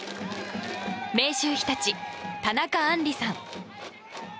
明秀日立、田中杏璃さん。